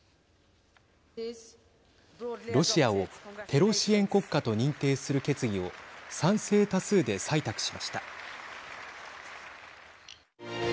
ロシアをテロ支援国家と認定する決議を賛成多数で採択しました。